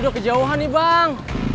iduh kejauhan nih bang